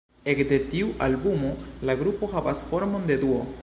Ekde tiu albumo la grupo havas formon de duo.